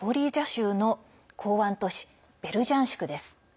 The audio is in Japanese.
州の港湾都市ベルジャンシクです。